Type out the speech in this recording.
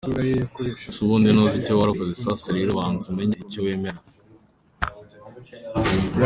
Ese ubundi ntuzi icyo warokowe? Sasa rero banza umenye icyo wemera.